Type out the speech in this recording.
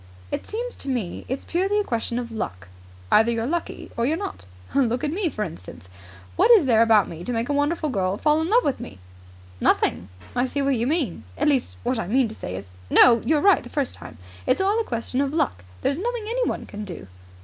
"It seems to me it's purely a question of luck. Either you're lucky or you're not. Look at me, for instance. What is there about me to make a wonderful girl love me?" "Nothing! I see what you mean. At least, what I mean to say is " "No. You were right the first time. It's all a question of luck. There's nothing anyone can do."